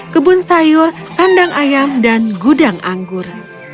kebun sayur kandang ayam dan gudang anggur